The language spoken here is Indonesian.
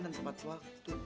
dan tempat waktu